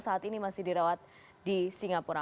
saat ini masih dirawat di singapura